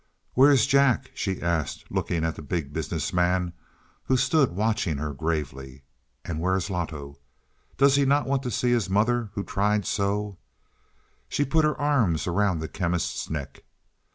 "Where is Jack," she asked, looking at the Big Business Man, who stood watching her gravely. "And where is Loto? Does he not want to see his mother who tried so " She put her arms around the Chemist's neck.